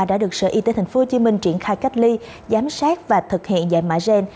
đã được sở y tế tp hcm triển khai cách ly giám sát và thực hiện dạy mã gen